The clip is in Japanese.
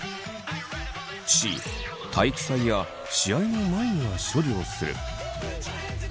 Ｃ体育祭や試合の前には処理をする。